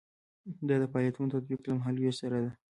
دا د فعالیتونو تطبیق له مهال ویش سره ده.